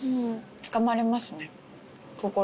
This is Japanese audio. つかまれますね心。